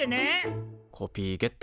コピーゲット。